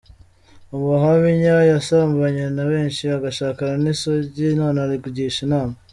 Ubuhamya: Yasambanye na benshi agashakana n’ isugi none aragisha inama.